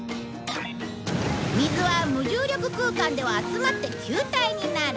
水は無重力空間では集まって球体になる。